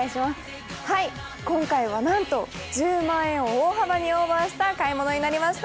今回は何と１０万円を大幅にオーバーした買い物となりました。